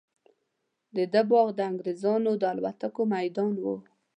د ده باغ د انګریزانو د الوتکو میدان وو.